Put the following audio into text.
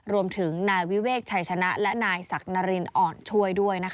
รวมถึงนายวิเวกชัยชนะและนายศักดิ์นรินอ่อนช่วยด้วยนะคะ